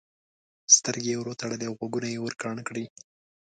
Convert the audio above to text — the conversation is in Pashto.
سترګې یې ورتړلې او غوږونه یې ورکاڼه کړي.